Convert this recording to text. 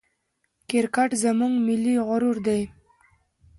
کرکټ زموږ ملي غرور دئ.